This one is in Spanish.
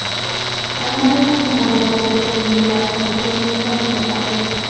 Añade funcionalidades de seguridad como el seguimiento del portátil.